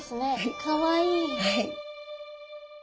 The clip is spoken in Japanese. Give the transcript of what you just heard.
かわいい。